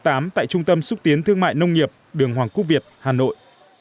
tại trung tâm xúc tiến thương mại nông nghiệp đường hoàng quốc việt hà nội